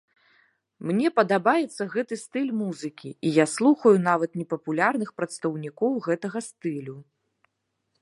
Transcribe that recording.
Мне падабаецца гэты стыль музыкі, і я слухаю нават непапулярных прадстаўнікоў гэтага стылю.